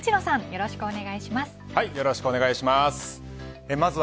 よろしくお願いします。